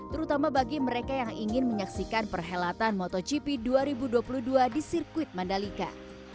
terutama bagi mereka yang ingin menyaksikan perhelatan motogp dua ribu dua puluh dua di sirkuit mandalika